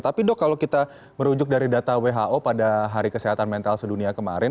tapi dok kalau kita merujuk dari data who pada hari kesehatan mental sedunia kemarin